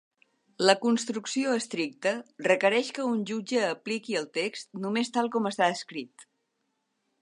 La construcció estricta requereix que un jutge apliqui el text només tal com està escrit.